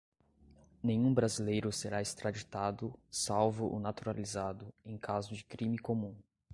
nenhum brasileiro será extraditado, salvo o naturalizado, em caso de crime comum